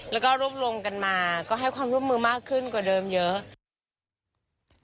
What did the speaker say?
แล้วก็รวบรวมกันมาก็ให้ความร่วมมือมากขึ้นกว่าเดิมเยอะ